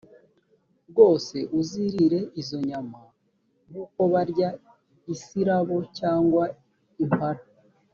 rwose uzirire izo nyama nk’uko barya isirabo cyangwa impara!